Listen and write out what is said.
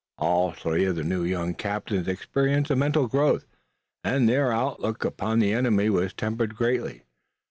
All three of the new young captains experienced a mental growth, and their outlook upon the enemy was tempered greatly.